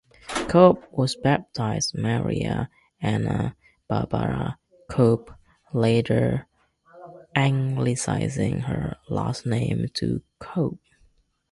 Cope was baptized Maria Anna Barbara Koob, later anglicizing her last name to "Cope".